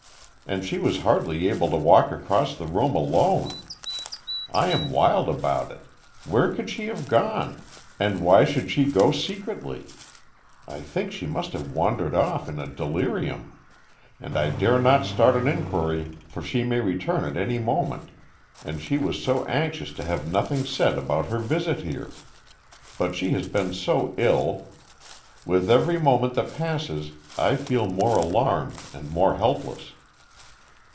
And she was hardly able to walk across the room alone. I am wild about it. Where could she have gone? And why should she go secretly? I think she must have wandered off in a delirium. And I dare not start an inquiry, for she may return at any moment, and she was so anxious to have nothing said about her visit here. But she has been so ill. With every moment that passes I feel more alarmed and more helpless."